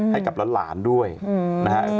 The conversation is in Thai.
ให้กับหลานด้วยนะครับ